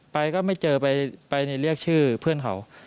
ก็ไม่เจอไปเรียกชื่อเพื่อนเขา